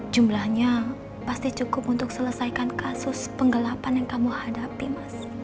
jumlahnya pasti cukup untuk selesaikan kasus penggelapan yang kecil